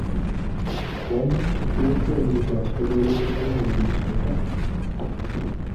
Wamma kituufu omuntu asobola okuzaala omusota?